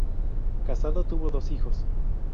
Casado, tuvo dos hijos.